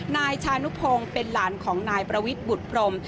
นายชานุพงศ์เป็นหลานของนายประวิทย์บุตรพรม